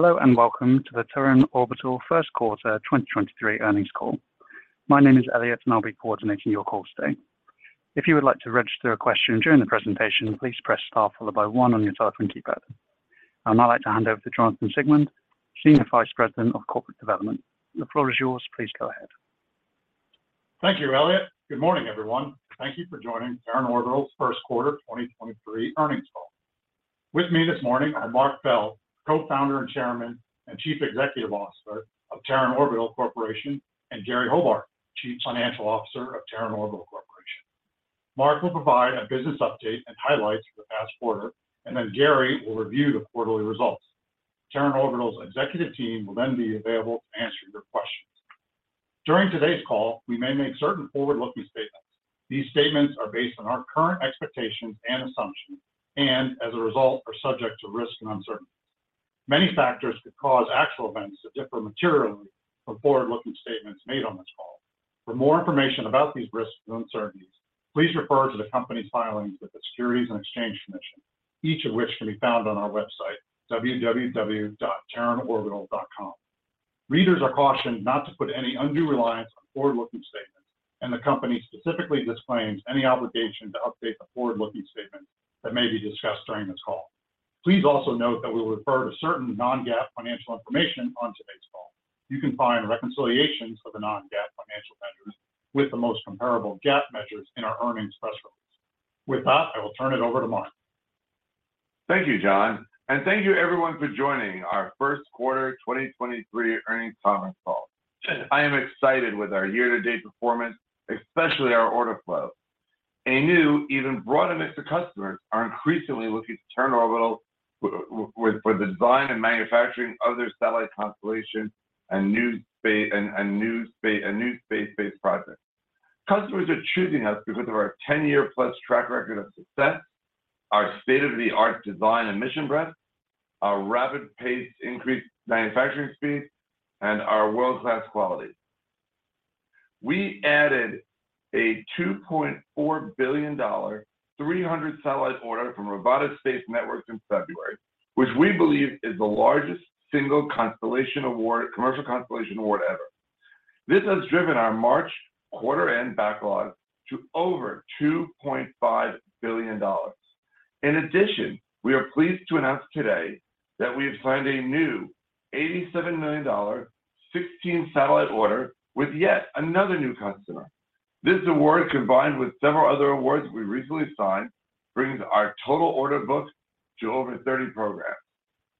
Hello and welcome to the Terran Orbital first quarter 2023 earnings call. My name is Elliot, and I'll be coordinating your call today. If you would like to register a question during the presentation, please press star followed by one on your telephone keypad. I'd like to hand over to Jonathan Siegmann, Senior Vice President of Corporate Development. The floor is yours. Please go ahead. Thank you, Elliot. Good morning, everyone. Thank you for joining Terran Orbital's first quarter 2023 earnings call. With me this morning are Marc Bell, Co-founder and Chairman and Chief Executive Officer of Terran Orbital Corporation, and Gary Hobart, Chief Financial Officer of Terran Orbital Corporation. Marc will provide a business update and highlights for the past quarter, and then Gary will review the quarterly results. Terran Orbital's executive team will then be available to answer your questions. During today's call, we may make certain forward-looking statements. These statements are based on our current expectations and assumptions and as a result are subject to risks and uncertainties. Many factors could cause actual events to differ materially from forward-looking statements made on this call. For more information about these risks and uncertainties, please refer to the company's filings with the Securities and Exchange Commission, each of which can be found on our website, www.terranorbital.com. Readers are cautioned not to put any undue reliance on forward-looking statements, and the company specifically disclaims any obligation to update the forward-looking statements that may be discussed during this call. Please also note that we refer to certain non-GAAP financial information on today's call. You can find reconciliations of the non-GAAP financial measures with the most comparable GAAP measures in our earnings press release. With that, I will turn it over to Marc. Thank you, Jon. Thank you everyone for joining our first quarter 2023 earnings conference call. I am excited with our year-to-date performance, especially our order flow. A new, even broader mix of customers are increasingly looking to Terran Orbital for the design and manufacturing of their satellite constellation and a new space-based projects. Customers are choosing us because of our 10-year-plus track record of success, our state-of-the-art design and mission breadth, our rapid paced increased manufacturing speed, and our world-class quality. We added a $2.4 billion 300 satellite order from Rivada Space Networks in February, which we believe is the largest single commercial constellation award ever. This has driven our March quarter end backlog to over $2.5 billion. We are pleased to announce today that we have signed a new $87 million 16 satellite order with yet another new customer. This award, combined with several other awards we recently signed, brings our total order book to over 30 programs.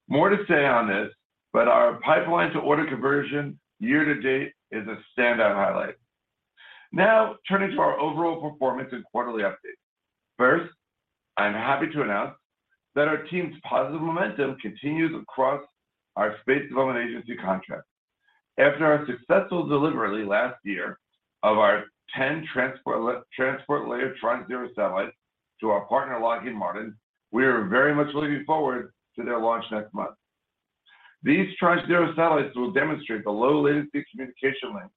More to say on this, our pipeline to order conversion year to date is a standout highlight. Turning to our overall performance and quarterly update. I'm happy to announce that our team's positive momentum continues across our Space Development Agency contracts. After our successful delivery last year of our 10 Transport Layer Tranche 0 satellites to our partner, Lockheed Martin, we are very much looking forward to their launch next month. These Tranche 0 satellites will demonstrate the low latency communication link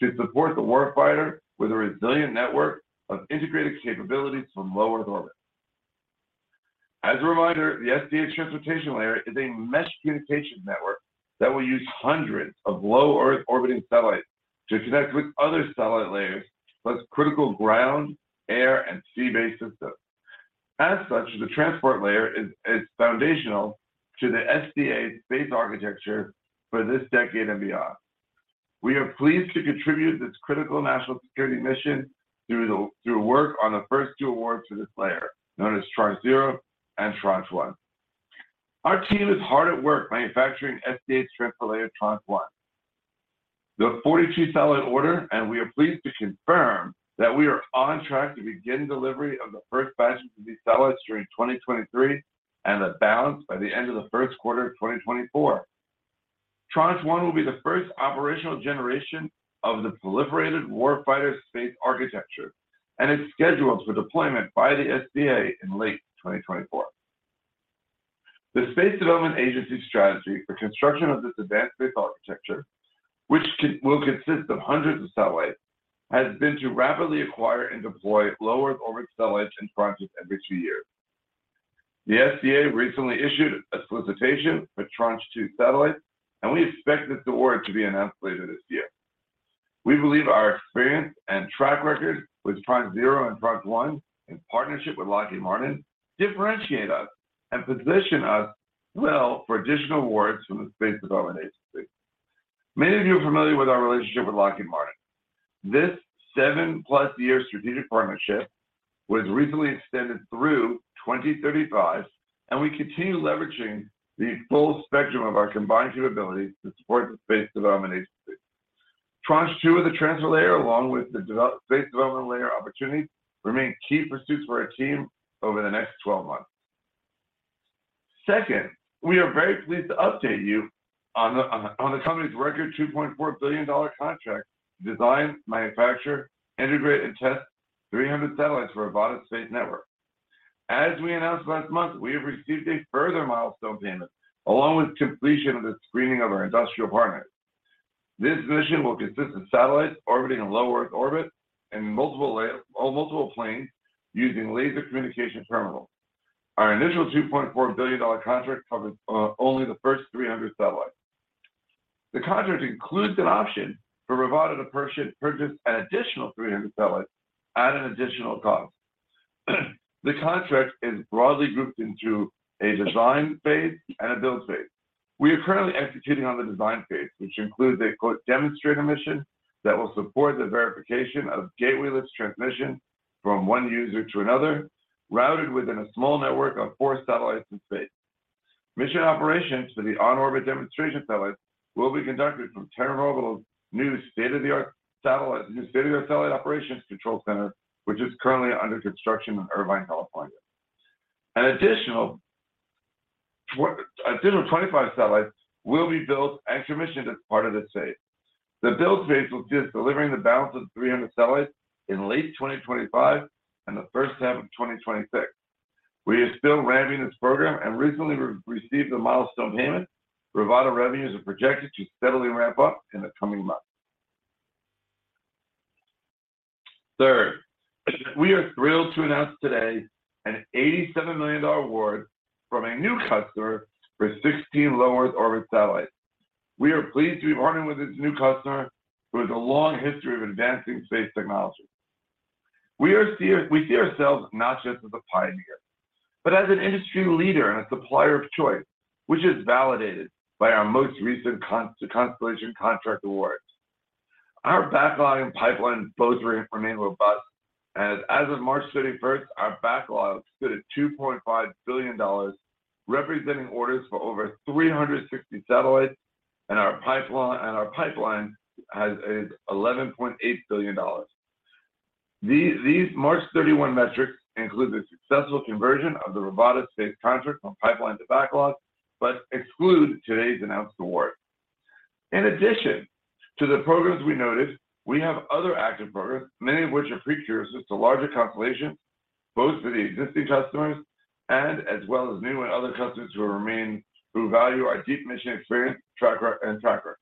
to support the warfighter with a resilient network of integrated capabilities from low Earth orbit. As a reminder, the SDA Transport Layer is a mesh communication network that will use hundreds of low Earth orbiting satellites to connect with other satellite layers, plus critical ground, air, and sea-based systems. As such, the Transport Layer is foundational to the SDA's space architecture for this decade and beyond. We are pleased to contribute to this critical national security mission through work on the first two awards for this layer, known as Tranche 0 and Tranche 1. Our team is hard at work manufacturing SDA Transport Layer Tranche 1. The 42 satellite order, and we are pleased to confirm that we are on track to begin delivery of the first batch of these satellites during 2023 and the balance by the end of the first quarter of 2024. Tranche 1 will be the first operational generation of the Proliferated Warfighter Space Architecture. It's scheduled for deployment by the SDA in late 2024. The Space Development Agency's strategy for construction of this advanced space architecture, which will consist of hundreds of satellites, has been to rapidly acquire and deploy low Earth orbit satellites in tranches every two years. The SDA recently issued a solicitation for Tranche 2 satellites. We expect this award to be announced later this year. We believe our experience and track record with Tranche 0 and Tranche 1 in partnership with Lockheed Martin differentiate us and position us well for additional awards from the Space Development Agency. Many of you are familiar with our relationship with Lockheed Martin. This 7-plus-year strategic partnership was recently extended through 2035, and we continue leveraging the full spectrum of our combined capabilities to support the Space Development Agency. Tranche 2 of the Transport Layer along with the space development layer opportunity remain key pursuits for our team over the next 12 months. Second, we are very pleased to update you on the company's record $2.4 billion contract to design, manufacture, integrate, and test 300 satellites for Rivada Space Networks. As we announced last month, we have received a further milestone payment along with completion of the screening of our industrial partners. This mission will consist of satellites orbiting in low Earth orbit on multiple planes using laser communication terminal. Our initial $2.4 billion contract covers only the first 300 satellites. The contract includes an option for Rivada to purchase an additional 300 satellites at an additional cost. The contract is broadly grouped into a design phase and a build phase. We are currently executing on the design phase, which includes a, quote, demonstrator mission that will support the verification of gateway-less transmission from 1 user to another, routed within a small network of 4 satellites in space. Mission operations for the on-orbit demonstration satellites will be conducted from Terran Orbital's new state-of-the-art satellite operations control center, which is currently under construction in Irvine, California. An additional 25 satellites will be built and commissioned as part of this phase. The build phase will consist of delivering the balance of the 300 satellites in late 2025 and the first half of 2026. We are still ramping this program and recently re-received a milestone payment. Rivada revenues are projected to steadily ramp up in the coming months. We are thrilled to announce today an $87 million award from a new customer for 16 low Earth orbit satellites. We see ourselves not just as a pioneer, but as an industry leader and a supplier of choice, which is validated by our most recent constellation contract awards. Our backlog and pipeline both remain robust as of March 31st, our backlog stood at $2.5 billion, representing orders for over 360 satellites, and our pipeline is $11.8 billion. These March 31 metrics include the successful conversion of the Rivada space contract from pipeline to backlog, but exclude today's announced award. In addition to the programs we noted, we have other active programs, many of which are precursors to larger constellations, both for the existing customers and as well as new and other customers who value our deep mission experience and track record.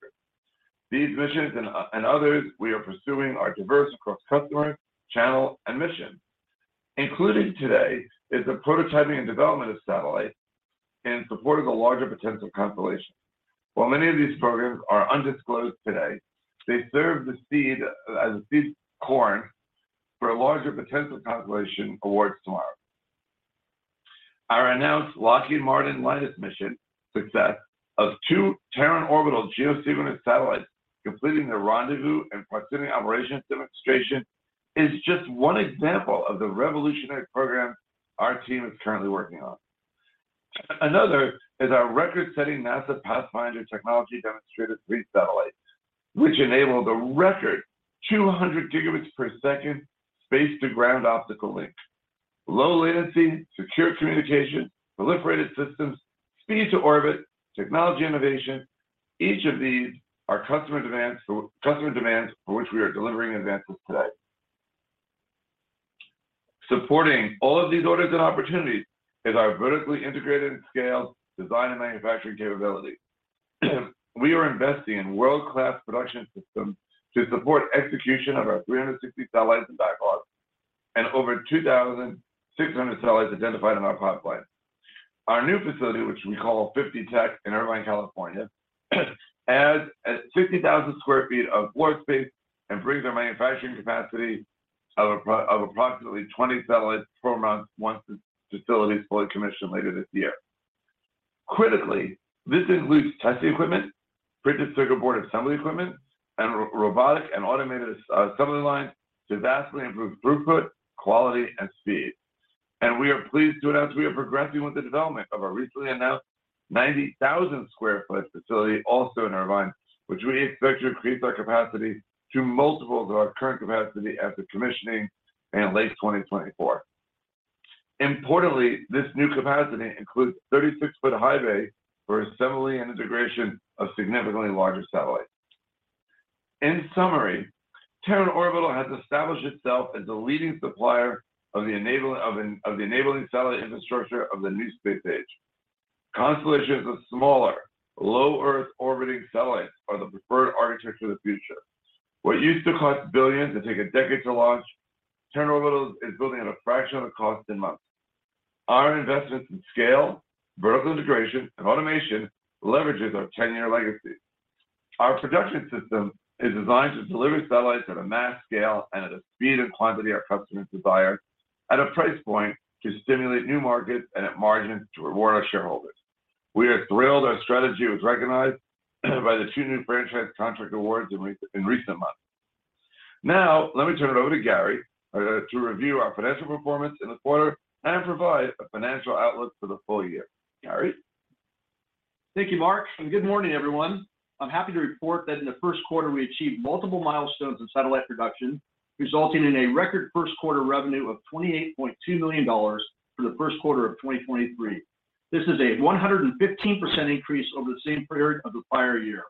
These missions and others we are pursuing are diverse across customers, channel, and mission. Included today is the prototyping and development of satellites in support of the larger potential constellations. While many of these programs are undisclosed today, they serve the seed as a seed corn for larger potential constellation awards tomorrow. Our announced Lockheed Martin LM LINUSS mission success of two Terran Orbital geosynchronous satellites completing their rendezvous and proximity operations demonstration is just one example of the revolutionary program our team is currently working on. Another is our record-setting NASA Pathfinder Technology Demonstrator 3 satellites, which enable the record 200 Gbps space-to-ground optical link. Low latency, secure communication, proliferated systems, speed to orbit, technology innovation, each of these are customer demands for which we are delivering advances today. Supporting all of these orders and opportunities is our vertically integrated and scaled design and manufacturing capability. We are investing in world-class production systems to support execution of our 360 satellites in backlog and over 2,600 satellites identified in our pipeline. Our new facility, which we call 50-Tech in Irvine, California, adds 50,000 sq ft of floor space and brings our manufacturing capacity of approximately 20 satellites per month once the facility is fully commissioned later this year. Critically, this includes testing equipment, Printed Circuit Board Assembly equipment, and robotic and automated assembly lines to vastly improve throughput, quality, and speed. We are pleased to announce we are progressing with the development of our recently announced 90,000 sq ft facility, also in Irvine, which we expect to increase our capacity to multiples of our current capacity after commissioning in late 2024. Importantly, this new capacity includes 36 ft high bay for assembly and integration of significantly larger satellites. In summary, Terran Orbital has established itself as a leading supplier of the enabling satellite infrastructure of the new space age. Constellations of smaller, low Earth orbiting satellites are the preferred architecture of the future. What used to cost billions and take a decade to launch, Terran Orbital is building at a fraction of the cost in months. Our investments in scale, vertical integration, and automation leverages our 10-year legacy. Our production system is designed to deliver satellites at a mass scale and at a speed and quality our customers desire at a price point to stimulate new markets and at margins to reward our shareholders. We are thrilled our strategy was recognized by the two new franchise contract awards in recent months. Now let me turn it over to Gary to review our financial performance in the quarter and provide a financial outlook for the full year. Gary? Thank you, Marc. Good morning, everyone. I'm happy to report that in the first quarter, we achieved multiple milestones in satellite production, resulting in a record first quarter revenue of $28.2 million for the first quarter of 2023. This is a 115% increase over the same period of the prior year.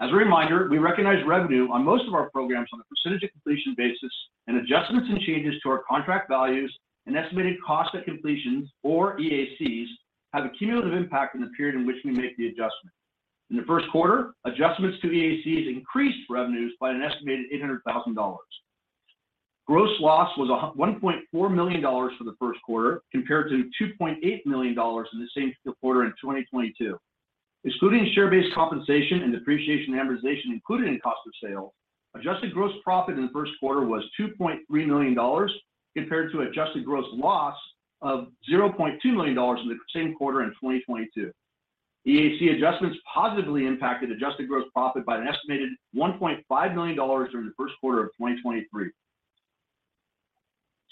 As a reminder, we recognize revenue on most of our programs on a Percentage of Completion basis, adjustments and changes to our contract values and estimated cost at completions or EACs have a cumulative impact in the period in which we make the adjustment. In the first quarter, adjustments to EACs increased revenues by an estimated $800,000. Gross loss was $1.4 million for the first quarter compared to $2.8 million in the same quarter in 2022. Excluding share-based compensation and depreciation, amortization included in cost of sales, adjusted gross profit in the first quarter was $2.3 million compared to adjusted gross loss of $0.2 million in the same quarter in 2022. EAC adjustments positively impacted adjusted gross profit by an estimated $1.5 million during the first quarter of 2023.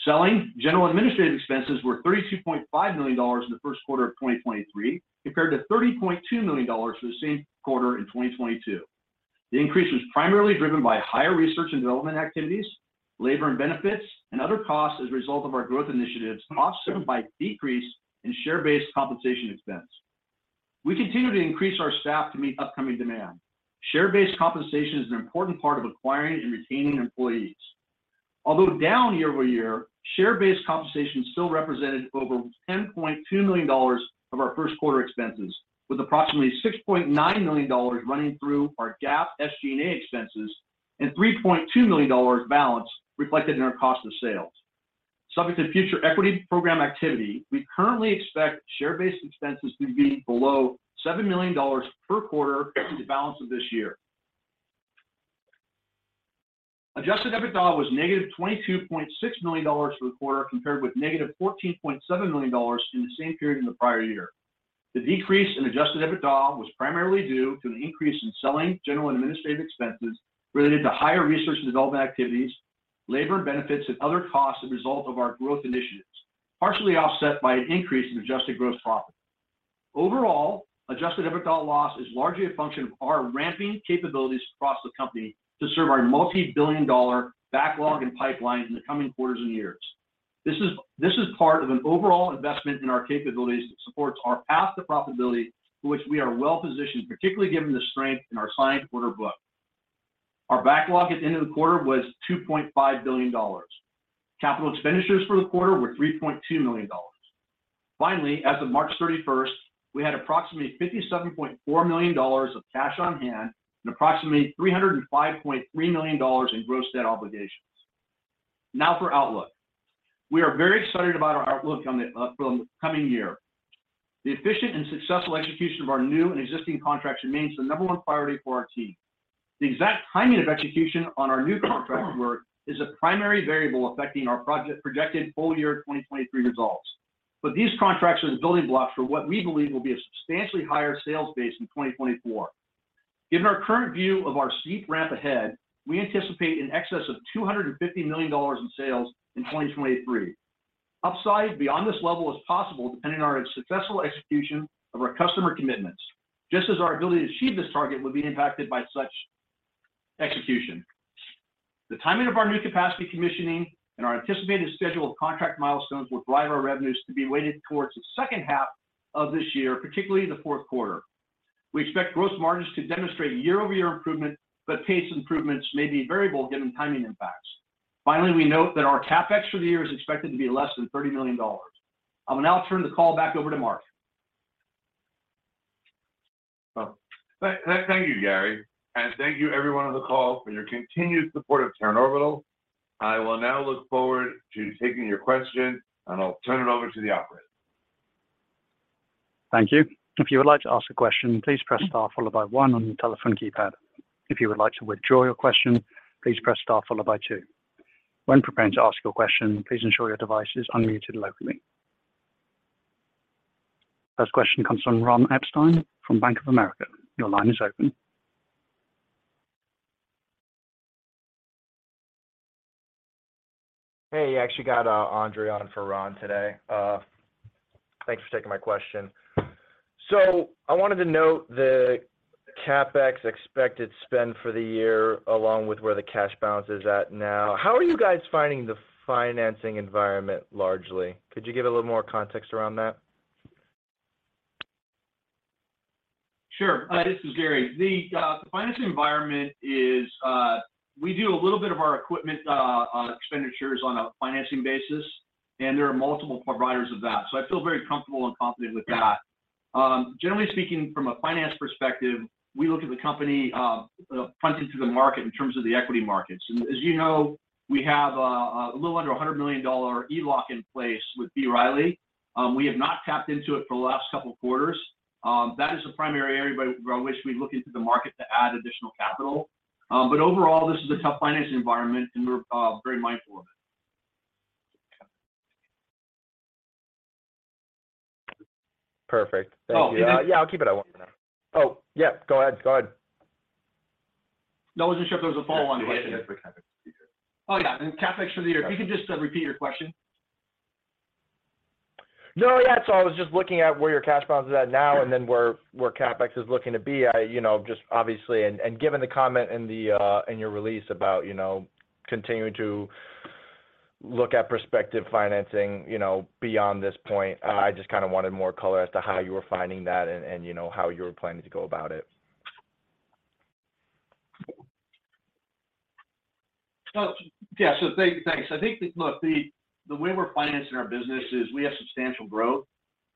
Selling, general administrative expenses were $32.5 million in the first quarter of 2023, compared to $30.2 million for the same quarter in 2022. The increase was primarily driven by higher research and development activities, labor and benefits, and other costs as a result of our growth initiatives, offset by decrease in share-based compensation expense. We continue to increase our staff to meet upcoming demand. Share-based compensation is an important part of acquiring and retaining employees. Although down year-over-year, share-based compensation still represented over $10.2 million of our first quarter expenses, with approximately $6.9 million running through our GAAP SG&A expenses and $3.2 million balance reflected in our cost of sales. Subject to future equity program activity, we currently expect share-based expenses to be below $7 million per quarter for the balance of this year. Adjusted EBITDA was -$22.6 million for the quarter, compared with -$14.7 million in the same period in the prior year. The decrease in Adjusted EBITDA was primarily due to an increase in selling, general, and administrative expenses related to higher research and development activities, labor and benefits, and other costs as a result of our growth initiatives, partially offset by an increase in adjusted gross profit. Overall, adjusted EBITDA loss is largely a function of our ramping capabilities across the company to serve our multi-billion dollar backlog and pipeline in the coming quarters and years. This is part of an overall investment in our capabilities that supports our path to profitability, to which we are well-positioned, particularly given the strength in our signed order book. Our backlog at the end of the quarter was $2.5 billion. Capital expenditures for the quarter were $3.2 million. Finally, as of March 31st, we had approximately $57.4 million of cash on hand and approximately $305.3 million in gross debt obligations. Now for outlook. We are very excited about our outlook on the for the coming year. The efficient and successful execution of our new and existing contracts remains the number 1 priority for our team. The exact timing of execution on our new contract work is a primary variable affecting our projected full year 2023 results. These contracts are the building blocks for what we believe will be a substantially higher sales base in 2024. Given our current view of our steep ramp ahead, we anticipate in excess of $250 million in sales in 2023. Upside beyond this level is possible depending on our successful execution of our customer commitments, just as our ability to achieve this target would be impacted by such execution. The timing of our new capacity commissioning and our anticipated schedule of contract milestones will drive our revenues to be weighted towards the second half of this year, particularly in the fourth quarter. We expect gross margins to demonstrate year-over-year improvement, but pace improvements may be variable given timing impacts. Finally, we note that our CapEx for the year is expected to be less than $30 million. I will now turn the call back over to Marc. Well, thank you, Gary. Thank you everyone on the call for your continued support of Terran Orbital. I will now look forward to taking your questions, and I'll turn it over to the Operator. Thank you. If you would like to ask a question, please press star followed by one on your telephone keypad. If you would like to withdraw your question, please press star followed by two. When preparing to ask your question, please ensure your device is unmuted locally. First question comes from Ron Epstein from Bank of America. Your line is open. Hey, you actually got Andre on for Ron today. Thanks for taking my question. I wanted to note the CapEx expected spend for the year along with where the cash balance is at now. How are you guys finding the financing environment largely? Could you give a little more context around that? Sure. This is Gary. The financing environment is, we do a little bit of our equipment expenditures on a financing basis, and there are multiple providers of that. I feel very comfortable and confident with that. Generally speaking, from a finance perspective, we look at the company funding to the market in terms of the equity markets. As you know, we have a little under $100 million ELOC in place with B. Riley. We have not tapped into it for the last couple of quarters. That is the primary area by which we look into the market to add additional capital. Overall, this is a tough financing environment, and we're very mindful of it. Perfect. Thank you. Oh. Yeah, I'll keep it at one for now. Oh, yeah, go ahead. Go ahead. No, I wasn't sure if there was a follow-on question. Yeah. He did ask for CapEx for the year. Oh, yeah. CapEx for the year. If you could just repeat your question. No, yeah. I was just looking at where your cash balance is at now- Sure... and then where CapEx is looking to be. I, you know, just obviously and given the comment in the in your release about, you know, continuing to look at prospective financing, you know, beyond this point, I just kinda wanted more color as to how you were finding that and, you know, how you're planning to go about it. Well, thanks. I think that, look, the way we're financing our business is we have substantial growth.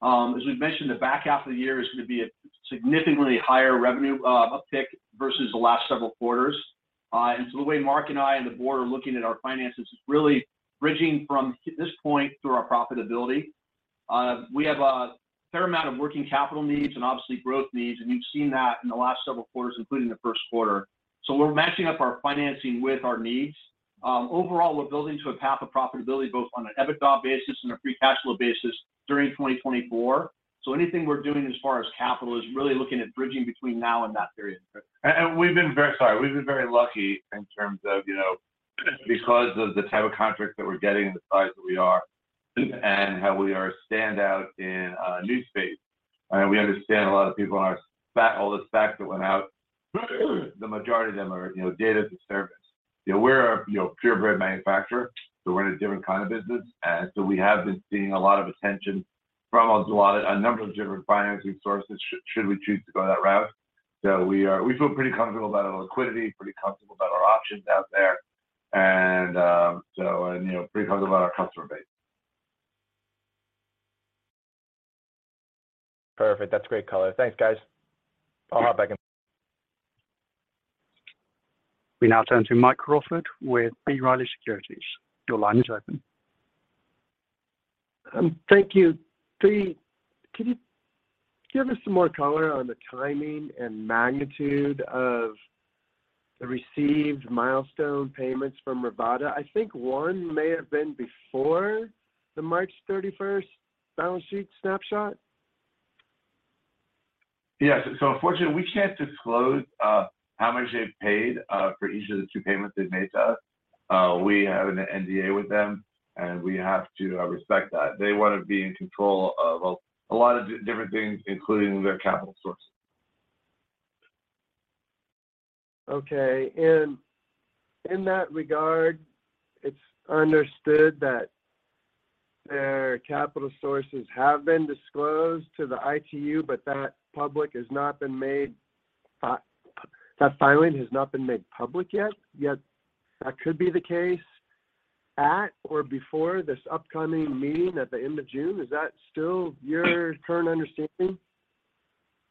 As we've mentioned, the back half of the year is gonna be a significantly higher revenue uptick versus the last several quarters. The way Marc and I and the board are looking at our finances is really bridging from this point through our profitability. We have a fair amount of working capital needs and obviously growth needs, and you've seen that in the last several quarters, including the first quarter. We're matching up our financing with our needs. Overall, we're building to a path of profitability both on an EBITDA basis and a free cash flow basis during 2024. Anything we're doing as far as capital is really looking at bridging between now and that period. Sorry. We've been very lucky in terms of, you know, because of the type of contracts that we're getting and the size that we are and how we are a standout in new space. We understand a lot of people in our SPAC, all the SPACs that went out, the majority of them are, you know, data as a service. You know, we're a, you know, purebred manufacturer, so we're in a different kind of business. We have been seeing a lot of attention from a lot of, a number of different financing sources should we choose to go that route. We feel pretty comfortable about our liquidity, pretty comfortable about our options out there and, you know, pretty comfortable about our customer base. Perfect. That's great color. Thanks, guys. I'll hop back in. We now turn to Mike Crawford with B. Riley Securities. Your line is open. Thank you. Three, can you give us some more color on the timing and magnitude of the received milestone payments from Rivada? I think one may have been before the March 31st balance sheet snapshot. Yes. Unfortunately, we can't disclose how much they've paid for each of the two payments they've made to us. We have an NDA with them, and we have to respect that. They wanna be in control of a lot of different things, including their capital sources. Okay. In that regard, it's understood that their capital sources have been disclosed to the ITU, but that public has not been made that filing has not been made public yet. That could be the case at or before this upcoming meeting at the end of June. Is that still your current understanding?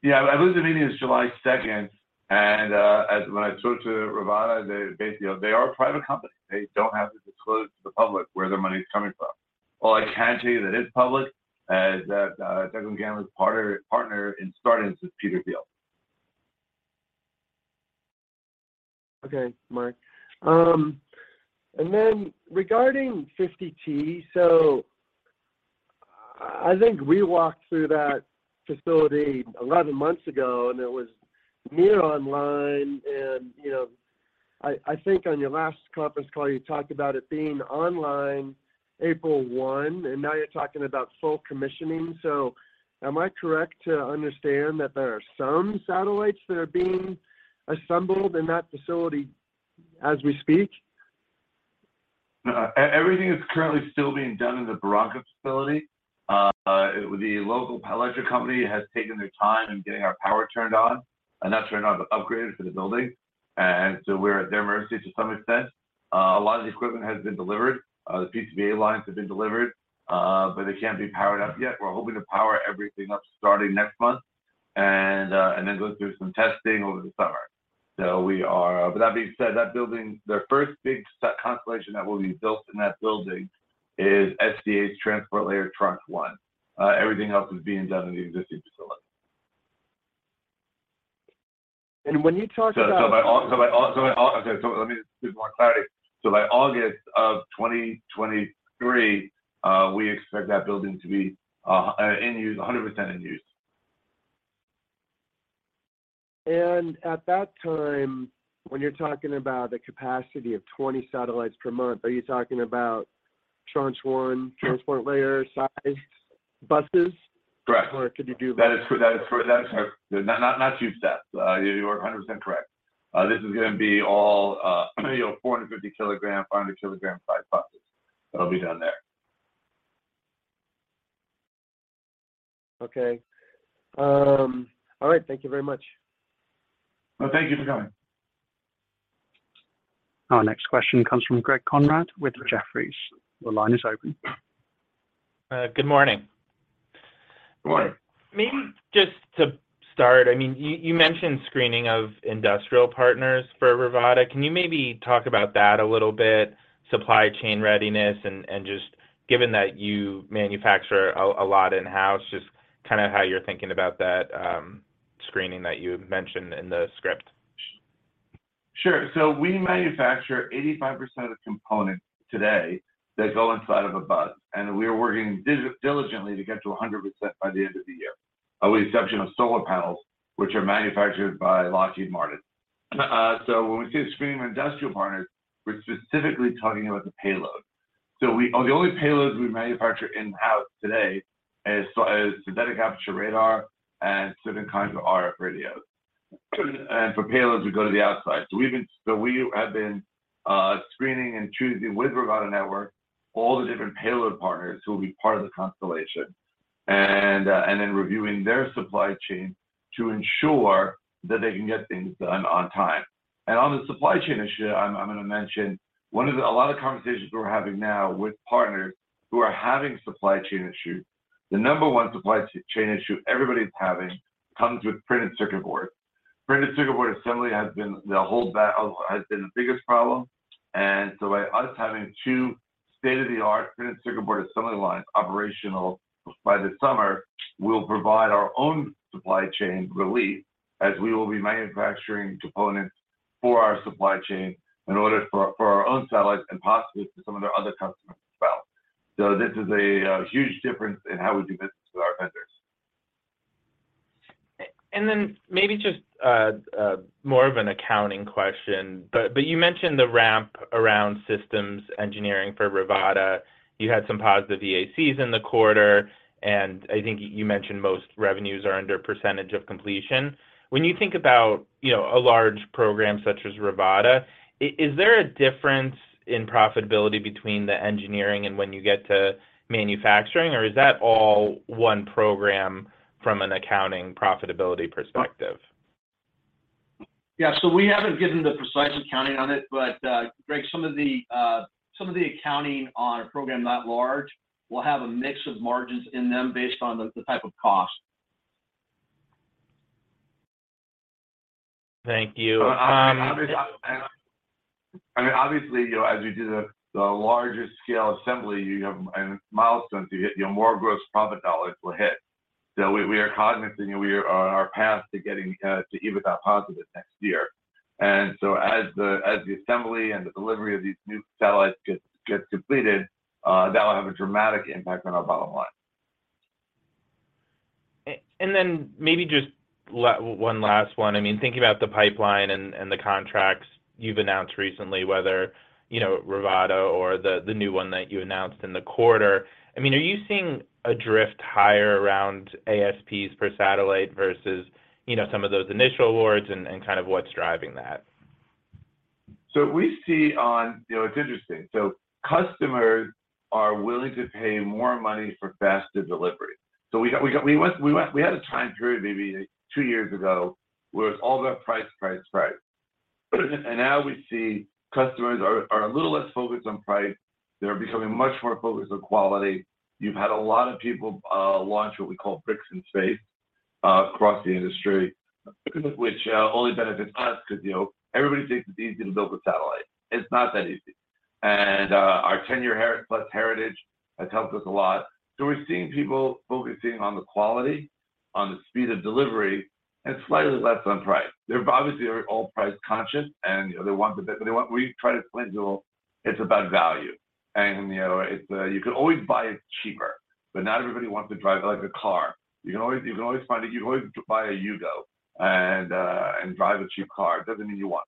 Yeah. I believe the meeting is July 2nd. As when I talked to Rivada, They are a private company. They don't have to disclose to the public where their money's coming from. All I can tell you that is public is that second gamut partner in starting this is Peter Thiel. Okay, Marc. Regarding 50-Tech, I think we walked through that facility 11 months ago, and it was near online. You know, I think on your last conference call, you talked about it being online April 1, and now you're talking about full commissioning. Am I correct to understand that there are some satellites that are being assembled in that facility as we speak? No. Everything is currently still being done in the Barranca facility. The local electric company has taken their time in getting our power turned on, and not turned on, but upgraded for the building. We're at their mercy to some extent. A lot of the equipment has been delivered. The PCBA lines have been delivered, but they can't be powered up yet. We're hoping to power everything up starting next month and then go through some testing over the summer. With that being said, that building, the first big set constellation that will be built in that building is SDA's Transport Layer Tranche 1. Everything else is being done in the existing facility. when you talk about... Okay. Let me give more clarity. By August of 2023, we expect that building to be in use, 100% in use. At that time, when you're talking about the capacity of 20 satellites per month, are you talking about Tranche 1 Transport Layer size buses? Correct. could you do That's for. Not two sats. You are 100% correct. This is gonna be all, you know, 450 kg, 500 kg size buses that'll be done there. Okay. All right. Thank you very much. Thank you for coming. Our next question comes from Greg Konrad with Jefferies. Your line is open. Good morning. Good morning. Maybe just to start, I mean, you mentioned screening of industrial partners for Rivada. Can you maybe talk about that a little bit, supply chain readiness and just given that you manufacture a lot in-house, just kind of how you're thinking about that screening that you had mentioned in the script? Sure. We manufacture 85% of the components today that go inside of a bus, and we are working diligently to get to 100% by the end of the year. With the exception of solar panels, which are manufactured by Lockheed Martin. When we say screening industrial partners, we're specifically talking about the payload. The only payloads we manufacture in-house today is synthetic aperture radar and certain kinds of RF radios. For payloads, we go to the outside. We have been screening and choosing with Rivada Networks all the different payload partners who will be part of the constellation and then reviewing their supply chain to ensure that they can get things done on time. On the supply chain issue, I'm gonna mention a lot of conversations we're having now with partners who are having supply chain issues, the number one supply chain issue everybody's having comes with printed circuit board. Printed circuit board assembly has been the biggest problem. By us having two state-of-the-art printed circuit board assembly lines operational by this summer, we'll provide our own supply chain relief as we will be manufacturing components for our supply chain in order for our own satellites and possibly for some of their other customers as well. This is a huge difference in how we do business with our vendors. Maybe just more of an accounting question, but you mentioned the ramp around systems engineering for Rivada. You had some positive EAC in the quarter, and I think you mentioned most revenues are under percentage of completion. When you think about, you know, a large program such as Rivada, is there a difference in profitability between the engineering and when you get to manufacturing, or is that all one program from an accounting profitability perspective? Yeah. We haven't given the precise accounting on it, but, Greg, some of the accounting on a program that large will have a mix of margins in them based on the type of cost. Thank you. I mean, obviously, you know, as you do the larger scale assembly, milestones, you hit, you know, more gross profit dollars will hit. We are cognizant, and we are on our path to getting to EBITDA positive next year. As the assembly and the delivery of these new satellites gets completed, that will have a dramatic impact on our bottom line. Then maybe just one last one. I mean, thinking about the pipeline and the contracts you've announced recently, whether, you know, Rivada or the new one that you announced in the quarter, I mean, are you seeing a drift higher around ASPs per satellite versus, you know, some of those initial awards and kind of what's driving that? You know, it's interesting. Customers are willing to pay more money for faster delivery. We had a time period maybe two years ago, where it was all about price, price. Now we see customers are a little less focused on price. They're becoming much more focused on quality. You've had a lot of people launch what we call bricks in space across the industry, which only benefits us because, you know, everybody thinks it's easy to build a satellite. It's not that easy. Our 10+ years heritage has helped us a lot. We're seeing people focusing on the quality, on the speed of delivery, and slightly less on price. They're obviously are all price conscious, you know, but they want. We try to explain to them it's about value. you know, it's, you can always buy it cheaper, but not everybody wants to drive a like a car. You can always find a, you can always buy a Yugo and drive a cheap car. It doesn't mean you want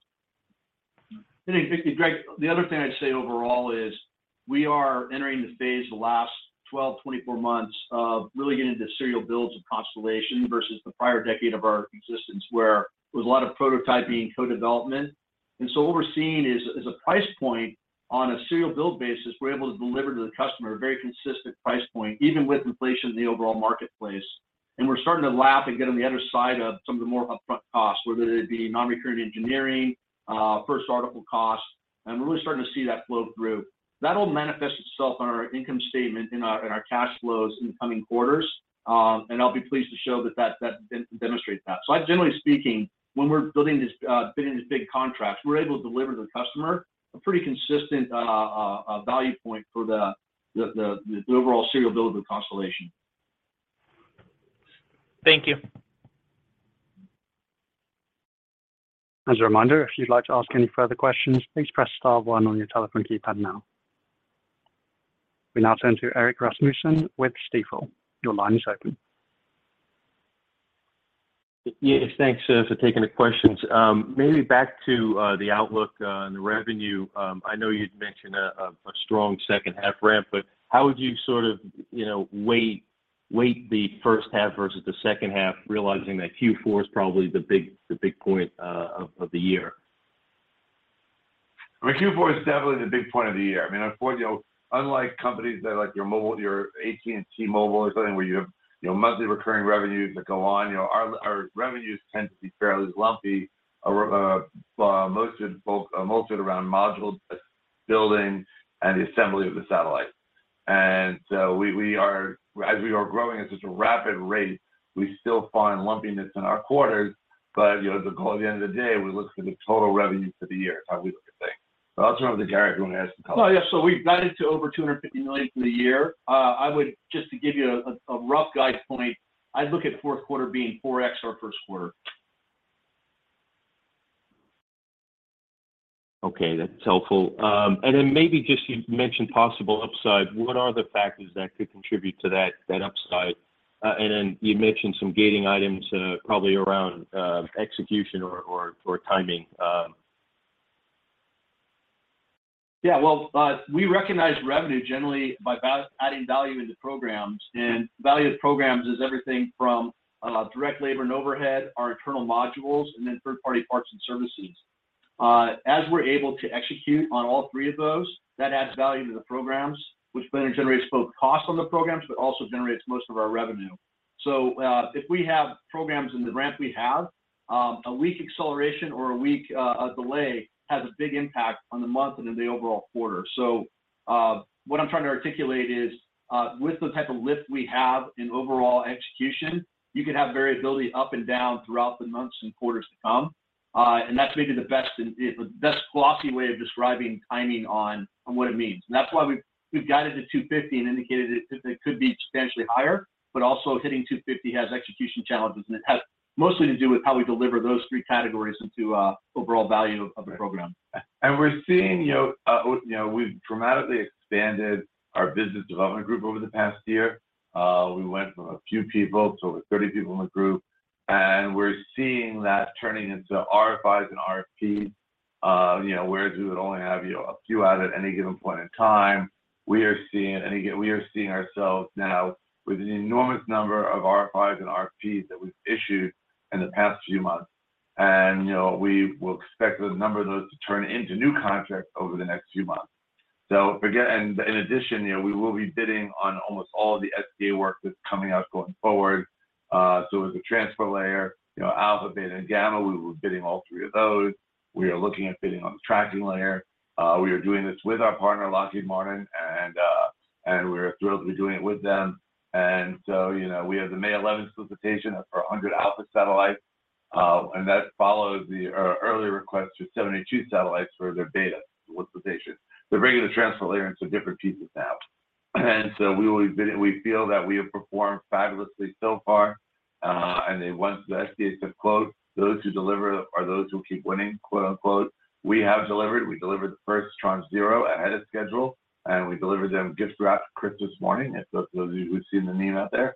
to. Greg, the other thing I'd say overall is we are entering the phase the last 12, 24 months of really getting into serial builds of constellation versus the prior decade of our existence, where it was a lot of prototyping, co-development. What we're seeing is a price point on a serial build basis, we're able to deliver to the customer a very consistent price point, even with inflation in the overall marketplace. We're starting to lap and get on the other side of some of the more upfront costs, whether it be Non-Recurring Engineering, first article costs. We're really starting to see that flow through. That'll manifest itself on our income statement in our cash flows in coming quarters. I'll be pleased to show that and demonstrate that. Generally speaking, when we're building this, bidding these big contracts, we're able to deliver to the customer a pretty consistent value point for the overall serial build of the constellation. Thank you. As a reminder, if you'd like to ask any further questions, please press star one on your telephone keypad now. We now turn to Erik Rasmussen with Stifel. Your line is open. Yes, thanks, for taking the questions. Maybe back to the outlook, and the revenue. I know you'd mentioned a strong second half ramp, but how would you sort of, you know, weight the first half versus the second half, realizing that Q4 is probably the big point of the year? I mean, Q4 is definitely the big point of the year. I mean, of course, you know, unlike companies that like your mobile, your AT&T Mobility or something where you have, you know, monthly recurring revenues that go on, you know, our revenues tend to be fairly lumpy, most of both molted around module building and the assembly of the satellite. We are growing at such a rapid rate, we still find lumpiness in our quarters, but, you know, at the end of the day, we look for the total revenue for the year is how we look at things. I'll turn it over to Gary, who has the color. Yeah. we've guided to over $250 million for the year. I would just to give you a rough guide point, I'd look at fourth quarter being 4x our first quarter. Okay. That's helpful. Maybe just you mentioned possible upside. What are the factors that could contribute to that upside? You mentioned some gating items, probably around execution or timing. Yeah. Well, we recognize revenue generally by adding value into programs. Value into programs is everything from direct labor and overhead, our internal modules, and then third-party parts and services. As we're able to execute on all three of those, that adds value to the programs, which then generates both cost on the programs, but also generates most of our revenue. If we have programs in the ramp we have, a weak acceleration or a weak delay has a big impact on the month and in the overall quarter. What I'm trying to articulate is, with the type of lift we have in overall execution, you can have variability up and down throughout the months and quarters to come. That's maybe the best and the best glossy way of describing timing on what it means. That's why we've guided to $250 and indicated it, that it could be substantially higher, but also hitting $250 has execution challenges, and it has mostly to do with how we deliver those 3 categories into overall value of the program. We're seeing, you know, you know, we've dramatically expanded our business development group over the past year. We went from a few people to over 30 people in the group. We're seeing that turning into RFIs and RFPs, you know, whereas we would only have, you know, a few out at any given point in time. We are seeing, and again, we are seeing ourselves now with an enormous number of RFIs and RFPs that we've issued in the past few months. You know, we will expect the number of those to turn into new contracts over the next few months. Again, and in addition, you know, we will be bidding on almost all of the SDA work that's coming out going forward. As a Transport Layer, you know, Alpha, Beta, and Gamma, we will be bidding all 3 of those. We are looking at bidding on the Tracking Layer. We are doing this with our partner, Lockheed Martin. We're thrilled to be doing it with them. You know, we have the May 11th solicitation for 100 Alpha satellites, and that follows the early request for 72 satellites for their Beta solicitation. The regular Transport Layer into different pieces now. We feel that we have performed fabulously so far, and they want the SDA to quote, "Those who deliver are those who keep winning." We have delivered. We delivered the first Tranche 0 ahead of schedule, and we delivered them gifts throughout Christmas morning. It's those of you who've seen the meme out there.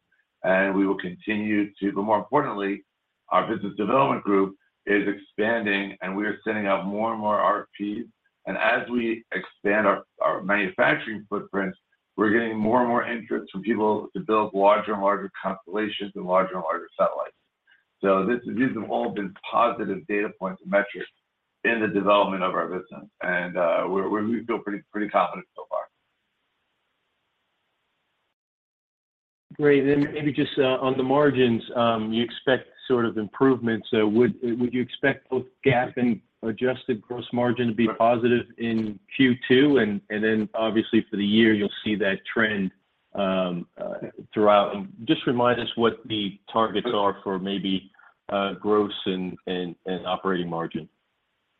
We will continue to. More importantly, our business development group is expanding, and we are sending out more and more RFPs. As we expand our manufacturing footprint, we're getting more and more interest from people to build larger and larger constellations and larger and larger satellites. These have all been positive data points and metrics in the development of our business. We feel pretty confident so far. Great. Maybe just on the margins, you expect sort of improvements. Would you expect both GAAP and adjusted gross margin to be positive in Q2? Then obviously for the year, you'll see that trend throughout. Just remind us what the targets are for maybe gross and operating margin.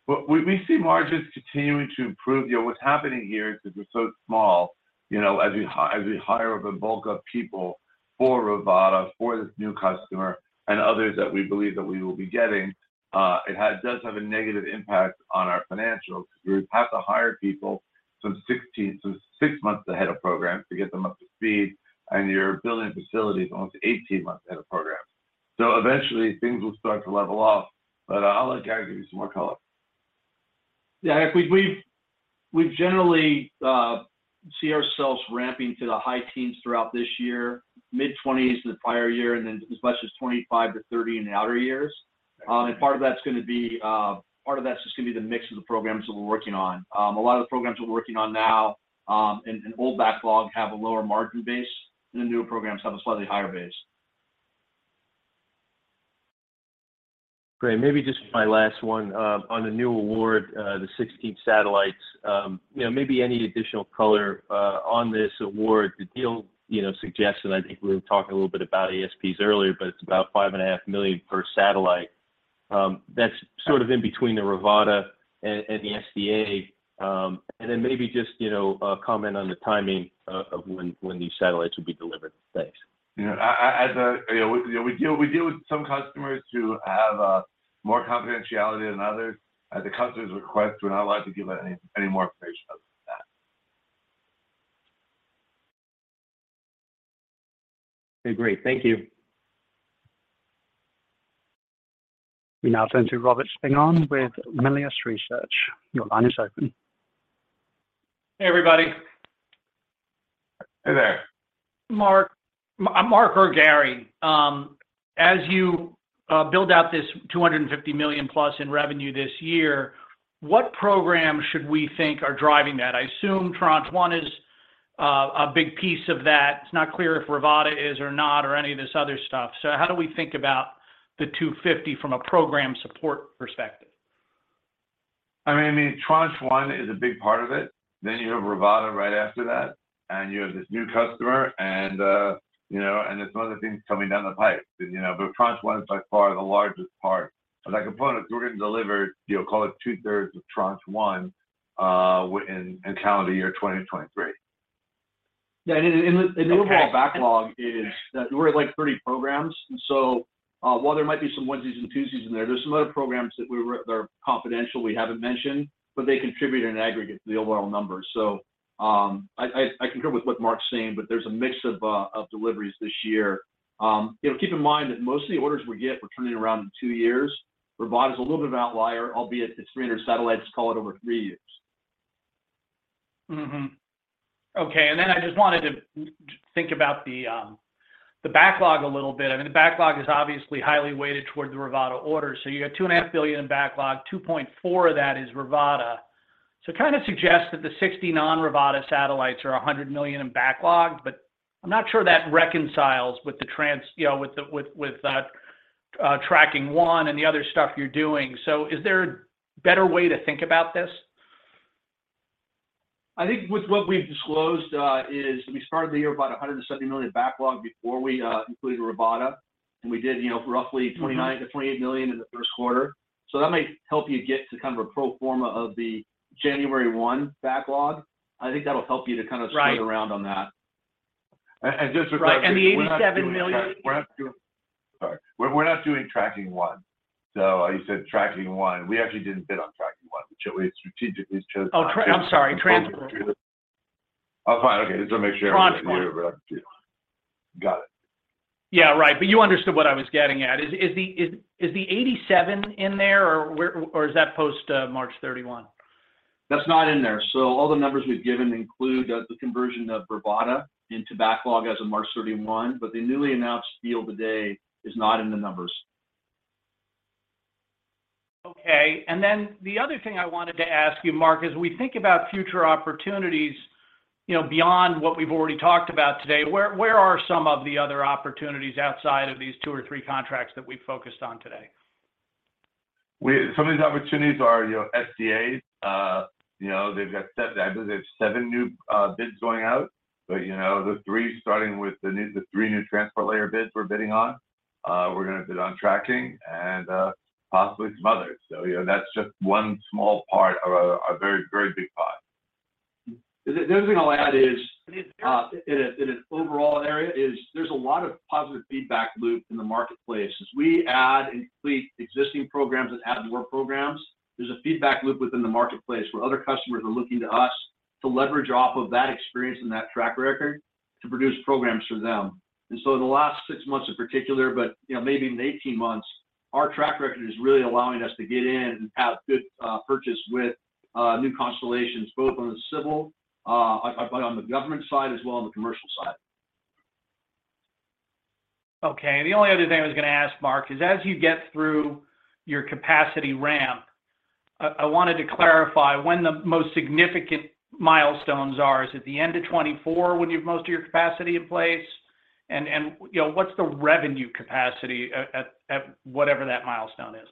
We see margins continuing to improve. You know, what's happening here is that we're so small. You know, as we hire up a bulk of people for Rivada, for this new customer, and others that we believe that we will be getting, it has, does have a negative impact on our financials. We have to hire people some 16, some 6 months ahead of program to get them up to speed, and you're building facilities almost 18 months ahead of program. Eventually, things will start to level off. I'll let Gary give you some more color. Yeah, I think we generally see ourselves ramping to the high teens throughout this year, mid-twenties the prior year, and then as much as 25%-30% in the outer years. Part of that's gonna be, part of that's just gonna be the mix of the programs that we're working on. A lot of the programs we're working on now, and old backlog have a lower margin base, and the new programs have a slightly higher base. Great. Maybe just my last one. On the new award, the 16 satellites, you know, maybe any additional color on this award. The deal, you know, suggests, and I think we were talking a little bit about ASP earlier, but it's about $5.5 million per satellite. That's sort of in between the Rivada and the SDA. Maybe just, you know, comment on the timing of when these satellites will be delivered. Thanks. You know, as a, you know, we deal with some customers who have more confidentiality than others. At the customer's request, we're not allowed to give out any more information other than that. Okay, great. Thank you. We now turn to Robert Spingarn with Melius Research. Your line is open. Hey, everybody. Hey there. Marc or Gary, as you build out this $250 million+ in revenue this year, what programs should we think are driving that? I assume Tranche 1 is a big piece of that. It's not clear if Rivada is or not or any of this other stuff. How do we think about the $250 from a program support perspective? I mean, Tranche 1 is a big part of it. You have Rivada right after that, and you have this new customer and, you know, and there's some other things coming down the pipe. You know, Tranche 1 is by far the largest part. That component, we're gonna deliver, you know, call it 2/3 of Tranche 1, in calendar year 2020 to 2023. In the overall backlog is that we're at, like, 30 programs. While there might be some onesies and twosies in there's some other programs that are confidential we haven't mentioned, but they contribute in aggregate to the overall numbers. I concur with what Marc's saying, but there's a mix of deliveries this year. You know, keep in mind that most of the orders we get, we're turning around in two years. Rivada's a little bit of outlier, albeit it's 300 satellites, call it, over three years. Okay. I just wanted to think about the backlog a little bit. I mean, the backlog is obviously highly weighted towards the Rivada order. You got $2.5 billion in backlog, $2.4 billion of that is Rivada. Kind of suggests that the 60 non-Rivada satellites are $100 million in backlog, but I'm not sure that reconciles with the you know, with that, Tracking One and the other stuff you're doing. Is there a better way to think about this? I think with what we've disclosed, is we started the year about $170 million backlog before we included Rivada. We did, you know, roughly $29 million-$28 million in the first quarter. That might help you get to kind of a pro forma of the January 1 backlog. I think that'll help you. Right Spin around on that. Just with that, we're not. Right. The $87 million. We're not doing. Sorry. We're not doing Tracking One. You said Tracking One. We actually didn't bid on Tracking One, which we strategically chose not to. Oh, I'm sorry. Transport. Oh, fine. Okay. Just want to make sure- Transport We're clear what I'm doing. Got it. Yeah, right. You understood what I was getting at. Is the 87 in there or where, or is that post, March 31? That's not in there. All the numbers we've given include the conversion of Rivada into backlog as of March 31, but the newly announced deal today is not in the numbers. Okay. Then the other thing I wanted to ask you, Marc, as we think about future opportunities, you know, beyond what we've already talked about today, where are some of the other opportunities outside of these two or three contracts that we focused on today? Some of these opportunities are, you know, SDA, you know, they've seven new bids going out. you know, the three starting with the new, the three new Transport Layer bids we're bidding on, we're gonna bid on Tracking and possibly some others. you know, that's just one small part of a very, very big pot. The other thing I'll add is in an overall area is there's a lot of positive feedback loop in the marketplace. As we add and complete existing programs and add more programs, there's a feedback loop within the marketplace where other customers are looking to us to leverage off of that experience and that track record to produce programs for them. In the last 6 months in particular, but, you know, maybe even 18 months, our track record is really allowing us to get in and have good purchase with new constellations, both on the civil, but on the government side as well on the commercial side. Okay. The only other thing I was gonna ask, Marc, is as you get through your capacity ramp, I wanted to clarify when the most significant milestones are. Is it the end of 2024 when you have most of your capacity in place? You know, what's the revenue capacity at whatever that milestone is?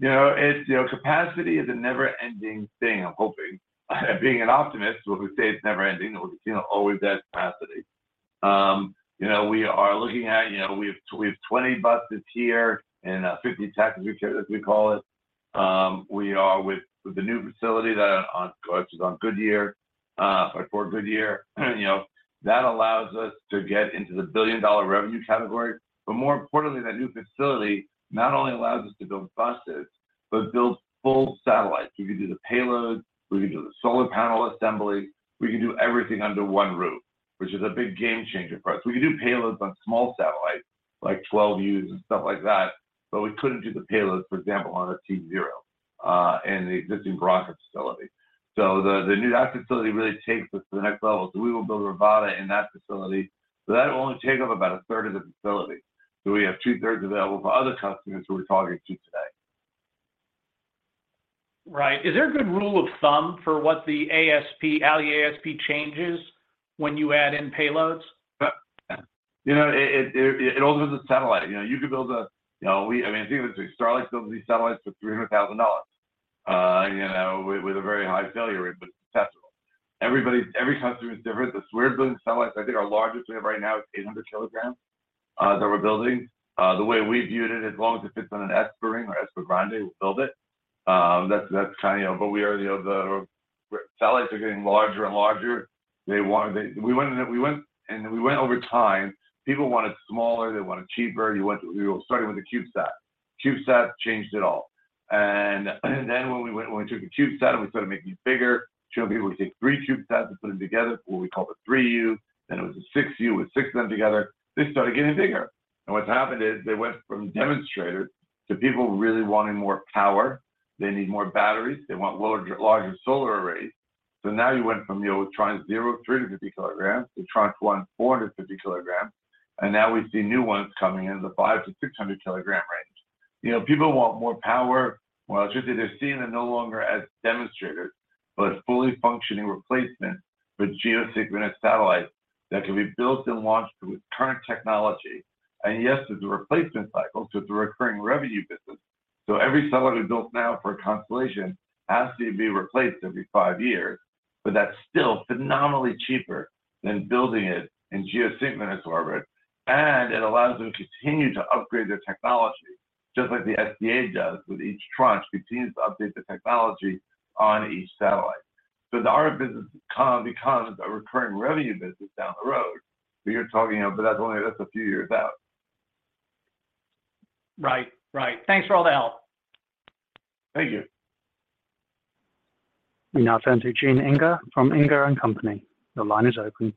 You know, it's, you know, capacity is a never-ending thing, I'm hoping. Being an optimist, we would say it's never-ending. There's, you know, always that capacity. You know, we are looking at, you know, we have 20 buses here and 50-Tech, as we call it. We are with the new facility that on, which is on Goodyear, like 4 Goodyear, you know, that allows us to get into the $1 billion revenue category. More importantly, that new facility not only allows us to build buses but build full satellites. We can do the payload, we can do the solar panel assembly, we can do everything under one roof, which is a big game changer for us. We can do payloads on small satellites, like 12U and stuff like that, but we couldn't do the payload, for example, on a T-Zero in the existing Barranca facility. That facility really takes us to the next level. We will build Rivada in that facility, so that'll only take up about a third of the facility. We have two-thirds available for other customers who we're talking to today. Right. Is there a good rule of thumb for what the ASP, alley ASP changes when you add in payloads? You know, it all depends on the satellite. You know, you could build a, you know, I mean, thing is, Starlink builds these satellites for $300,000, you know, with a very high failure rate, but it's testable. Every customer is different. We're building satellites. I think our largest we have right now is 800 kg that we're building. The way we viewed it, as long as it fits on an S-ring or ESPA Grande, we'll build it. That's kind of. We are, you know, the satellites are getting larger and larger. They, we went over time. People want it smaller, they want it cheaper. We all started with a CubeSat. CubeSat changed it all. When we went, when we took a CubeSat and we started making it bigger, showed people we could take three CubeSats and put them together, what we call the 3U. It was a 6U, with six of them together. They started getting bigger. What's happened is they went from demonstrators to people really wanting more power. They need more batteries. They want larger solar arrays. Now you went from, you know, trying 0 to 350 kg to trying to run 450 kilograms. Now we see new ones coming in the 500 to 600 kg range. You know, people want more power. It's just they're seeing it no longer as demonstrators, but a fully functioning replacement for geosynchronous satellites that can be built and launched with current technology. Yes, there's a replacement cycle, so it's a recurring revenue business. Every satellite we built now for a constellation has to be replaced every five years. That's still phenomenally cheaper than building it in geosynchronous orbit. It allows them to continue to upgrade their technology, just like the SDA does with each Tranche. Continues to update the technology on each satellite. Our business can become a recurring revenue business down the road, but you're talking, you know, that's only a few years out. Right. Right. Thanks for all the help. Thank you. We now turn to Greg Konrad from Jefferies. Your line is open.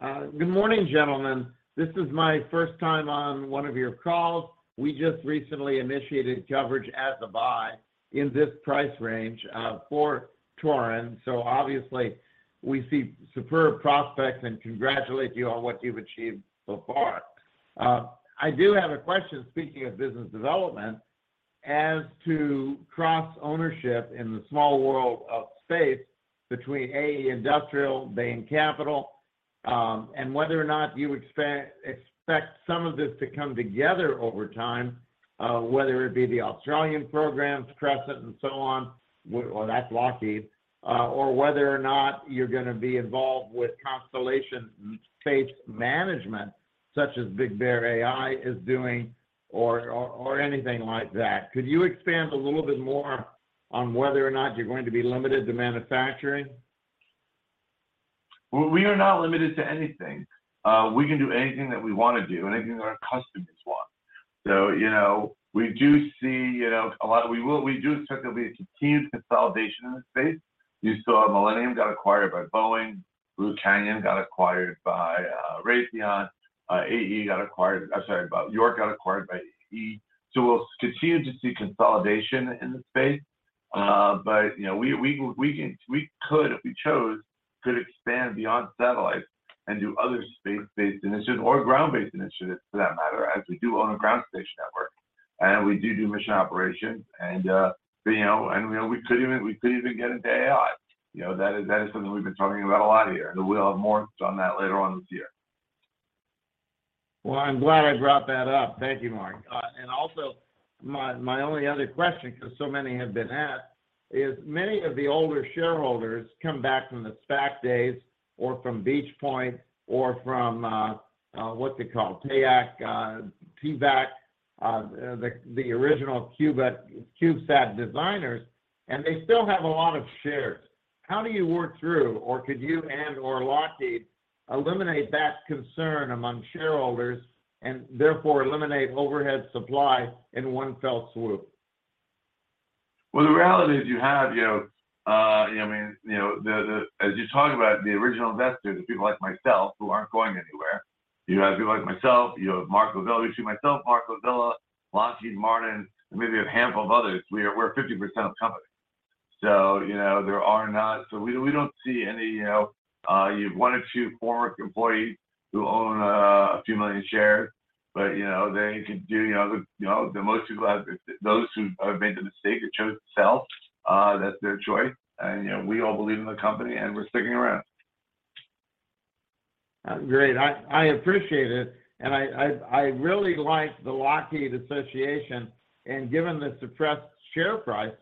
Good morning, gentlemen. This is my first time on one of your calls. We just recently initiated coverage as a buy in this price range for Terran Orbital. Obviously, we see superb prospects and congratulate you on what you've achieved so far. I do have a question, speaking of business development, as to cross-ownership in the small world of space between AE Industrial, Bain Capital, and whether or not you expect some of this to come together over time, whether it be the Australian programs, Crescent and so on or that's Lockheed, or whether or not you're gonna be involved with constellation space management, such as BigBear.ai is doing or anything like that. Could you expand a little bit more on whether or not you're going to be limited to manufacturing? Well, we are not limited to anything. We can do anything that we wanna do, anything that our customers want. You know, we do see, you know, we do expect there'll be a continued consolidation in the space. You saw Millennium got acquired by Boeing, Blue Canyon got acquired by Raytheon, York got acquired by AE. We'll continue to see consolidation in the space, you know, we could, if we chose, could expand beyond satellites and do other space-based initiatives or ground-based initiatives for that matter, as we do own a ground station network, and we do mission operations. You know, you know, we could even get into AI. You know, that is something we've been talking about a lot here, and we'll have more on that later on this year. Well, I'm glad I brought that up. Thank you, Marc. Also, my only other question, 'cause so many have been asked, is many of the older shareholders come back from the SPAC days or from Beach Point or from, what they call Tyvak, the original CubeSat designers, and they still have a lot of shares. How do you work through, or could you and/or Lockheed eliminate that concern among shareholders and therefore eliminate overhead supply in one fell swoop? The reality is you have, you know, I mean, you know, as you talked about, the original investors are people like myself who aren't going anywhere. You have people like myself, you have Marco Villa, you see myself, Marco Villa, Lockheed Martin, and maybe a handful of others. We're 50% of the company. We don't see any, you know, you've one or two former employees who own a few million shares. They can do, you know, those who have made the mistake have chose to sell, that's their choice. We all believe in the company, and we're sticking around. Great. I appreciate it. I really like the Lockheed association, and given the suppressed share price,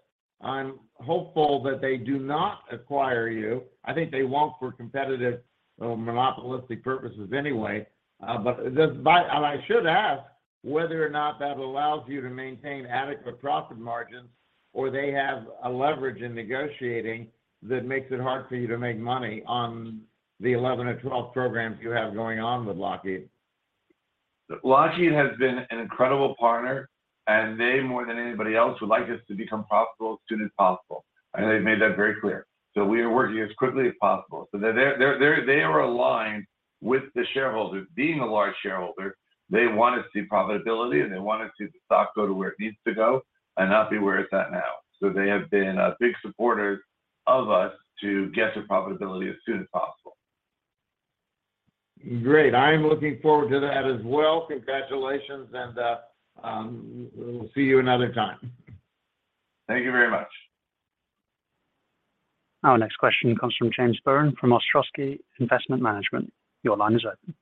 I'm hopeful that they do not acquire you. I think they won't for competitive or monopolistic purposes anyway. I should ask whether or not that allows you to maintain adequate profit margins or they have a leverage in negotiating that makes it hard for you to make money on the 11 or 12 programs you have going on with Lockheed. Lockheed has been an incredible partner, and they, more than anybody else, would like us to become profitable as soon as possible, and they've made that very clear. We are working as quickly as possible. They are aligned with the shareholders. Being a large shareholder, they wanna see profitability, and they wanna see the stock go to where it needs to go and not be where it's at now. They have been a big supporter of us to get to profitability as soon as possible. Great. I am looking forward to that as well. Congratulations, and, we'll see you another time. Thank you very much. Our next question comes from James Byrne from Piper Sandler. Your line is open.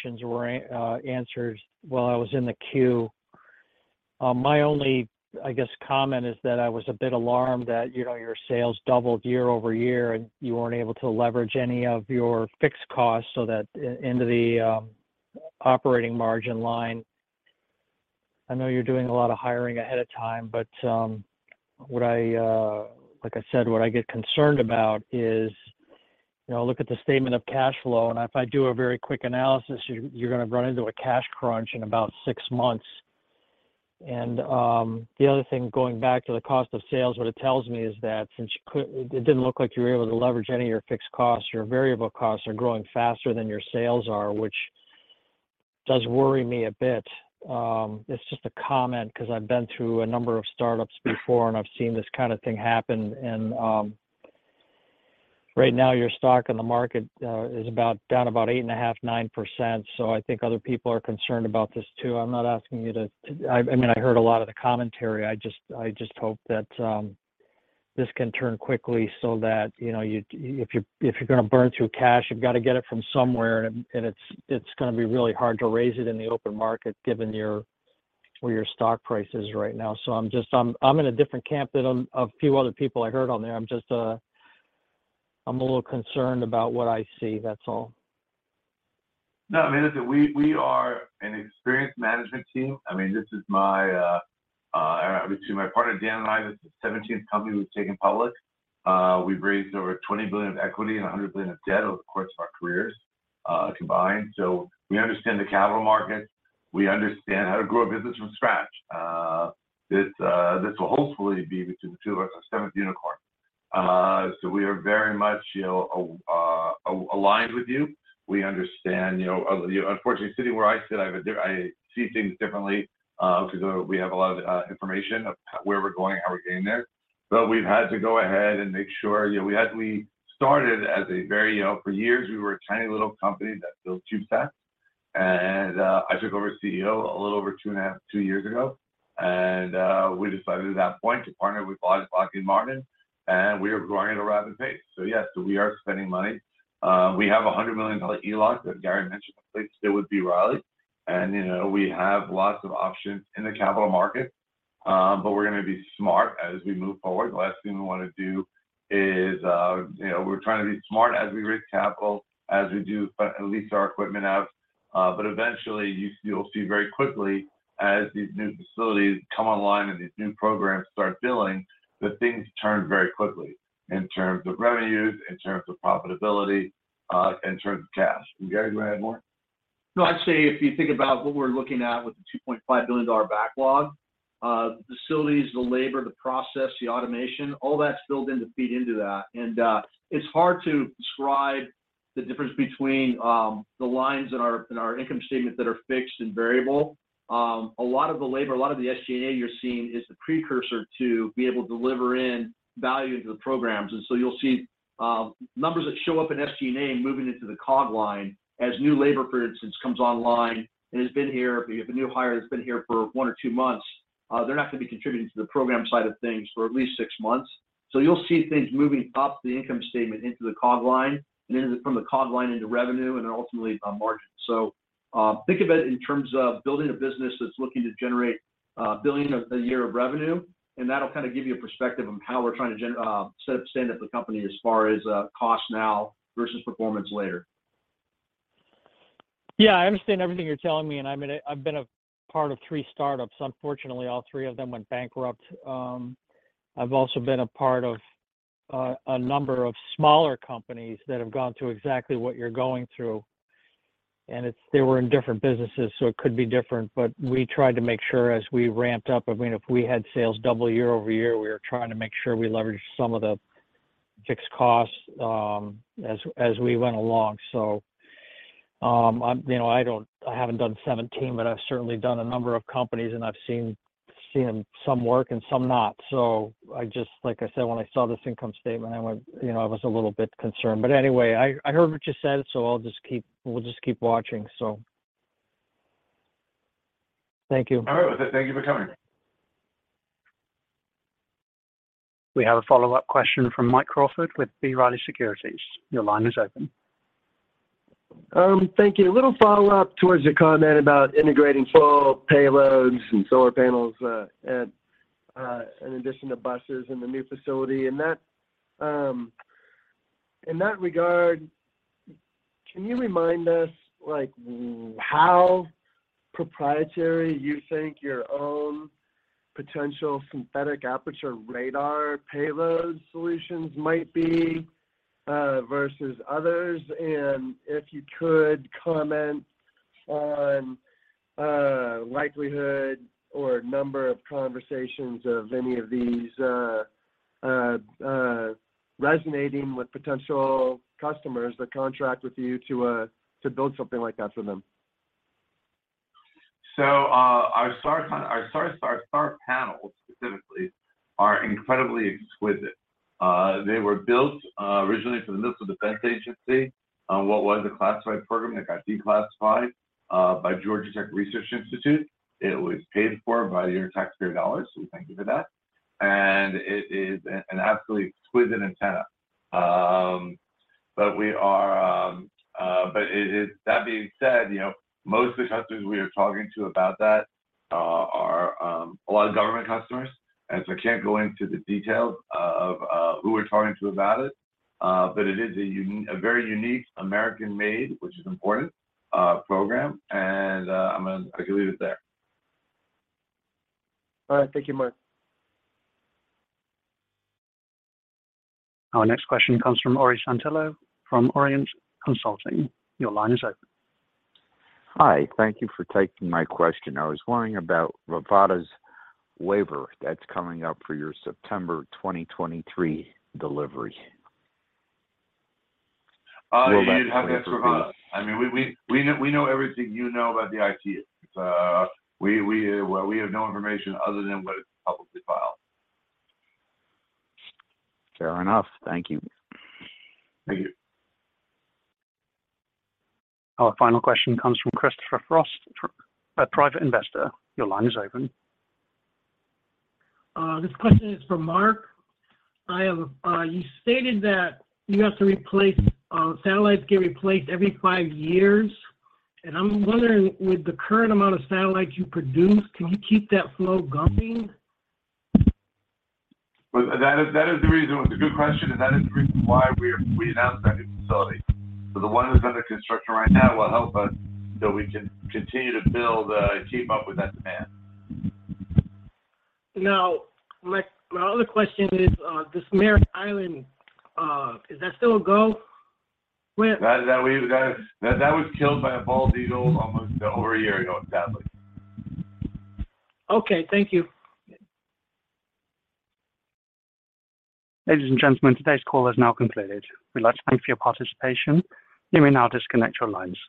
Questions were answered while I was in the queue. My only, I guess, comment is that I was a bit alarmed that, you know, your sales doubled year-over-year, and you weren't able to leverage any of your fixed costs so that into the operating margin line. I know you're doing a lot of hiring ahead of time, but what I, like I said, what I get concerned about is, you know, look at the statement of cash flow, and if I do a very quick analysis, you're gonna run into a cash crunch in about six months. The other thing, going back to the cost of sales, what it tells me is that since it didn't look like you were able to leverage any of your fixed costs, your variable costs are growing faster than your sales are, which does worry me a bit. It's just a comment 'cause I've been through a number of startups before, and I've seen this kind of thing happen. Right now, your stock in the market is about down about 8.5%, 9%, so I think other people are concerned about this too. I mean, I heard a lot of the commentary. I just hope that this can turn quickly so that, you know, if you're gonna burn through cash, you've got to get it from somewhere, and it's gonna be really hard to raise it in the open market given where your stock price is right now. I'm in a different camp than a few other people I heard on there. I'm just, I'm a little concerned about what I see, that's all. I mean, we are an experienced management team. I mean, this is my, between my partner Dan and I, this is the seventeenth company we've taken public. We've raised over $20 billion of equity and $100 billion of debt over the course of our careers, combined. We understand the capital markets. We understand how to grow a business from scratch. This will hopefully be between the two of us, our seventh unicorn. We are very much, you know, aligned with you. We understand, you know, unfortunately, sitting where I sit, I see things differently, because we have a lot of information of where we're going and how we're getting there. We've had to go ahead and make sure, you know, We started as a very, you know, for years, we were a tiny little company that built two sats. I took over CEO a little over two and a half years ago, and we decided at that point to partner with Lockheed Martin, and we are growing at a rapid pace. Yes, we are spending money. We have a $100 million ELOC that Gary mentioned, I think, it would be Riley. You know, we have lots of options in the capital market, but we're gonna be smart as we move forward. The last thing we wanna do is, you know, we're trying to be smart as we raise capital, as we do, but at least our equipment out. Eventually, you'll see very quickly as these new facilities come online and these new programs start filling, that things turn very quickly in terms of revenues, in terms of profitability, in terms of cash. Gary, you wanna add more? No, I'd say if you think about what we're looking at with the $2.5 billion backlog, the facilities, the labor, the process, the automation, all that's built in to feed into that. It's hard to describe the difference between the lines in our income statement that are fixed and variable. A lot of the labor, a lot of the SG&A you're seeing is the precursor to be able to deliver in value to the programs. You'll see numbers that show up in SG&A and moving into the COG line as new labor, for instance, comes online and has been here. If you have a new hire that's been here for one or two months, they're not gonna be contributing to the program side of things for at least six months. You'll see things moving up the income statement into the COG line, and then from the COG line into revenue, and then ultimately on margin. Think of it in terms of building a business that's looking to generate $1 billion a year of revenue, and that'll kind of give you a perspective on how we're trying to stand up the company as far as cost now versus performance later. I understand everything you're telling me. I've been a part of three startups. Unfortunately, all three of them went bankrupt. I've also been a part of a number of smaller companies that have gone through exactly what you're going through. They were in different businesses, it could be different. We tried to make sure as we ramped up, I mean, if we had sales double year-over-year, we were trying to make sure we leveraged some of the fixed costs as we went along. I, you know, I haven't done 17, I've certainly done a number of companies and I've seen some work and some not. I just, like I said, when I saw this income statement, I went, you know, I was a little bit concerned. Anyway, I heard what you said, so I'll just keep watching. Thank you. All right. Thank you for coming. We have a follow-up question from Mike Crawford with B. Riley Securities. Your line is open. Thank you. A little follow-up towards the comment about integrating full payloads and solar panels, in addition to buses in the new facility. In that regard, can you remind us, like, how proprietary you think your own potential synthetic aperture radar payload solutions might be versus others? If you could comment on likelihood or number of conversations of any of these resonating with potential customers that contract with you to build something like that for them? Our SAR panels specifically are incredibly exquisite. They were built originally for the Missile Defense Agency on what was a classified program that got declassified by Georgia Tech Research Institute. It was paid for by your taxpayer dollars. We thank you for that. It is an absolutely exquisite antenna. We are that being said, you know, most of the customers we are talking to about that are a lot of government customers, I can't go into the details of who we're talking to about it. It is a very unique American-made, which is important, program. I can leave it there. All right. Thank you, Marc. Our next question comes from Austin Moeller from Truist Securities. Your line is open. Hi. Thank you for taking my question. I was wondering about Rivada's waiver that's coming up for your September 2023 delivery. You'd have to ask Rivada. I mean, we know everything you know about the IT. Well, we have no information other than what is publicly filed. Fair enough. Thank you. Thank you. Our final question comes from Christopher Frost, a private investor. Your line is open. This question is from Marc. I have, you stated that you have to replace, satellites get replaced every 5 years, and I'm wondering with the current amount of satellites you produce, can you keep that flow going? Well, that is the reason. It was a good question, and that is the reason why we announced that new facility. The one that's under construction right now will help us, so we can continue to build and keep up with that demand. Now, my other question is, this Merritt Island, is that still a go with- That was killed by a bald eagle almost over a year ago, sadly. Okay. Thank you. Ladies and gentlemen, today's call has now concluded. We'd like to thank you for your participation. You may now disconnect your lines.